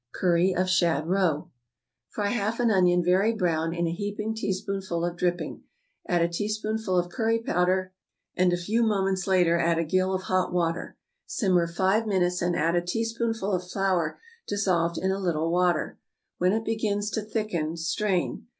=Curry of Shad Roe.= Fry half an onion very brown in a heaping teaspoonful of dripping; add a teaspoonful of curry powder, and a few moments later add a gill of hot water; simmer five minutes, and add a teaspoonful of flour dissolved in a little water. When it begins to thicken, strain.